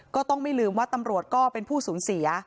ก็ไม่ลืมว่าตำรวจก็เป็นผู้สูญเสีย